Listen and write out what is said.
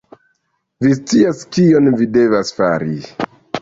vi scias kion vi devas fari